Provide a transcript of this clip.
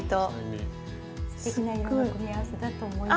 すてきな色の組み合わせだと思います。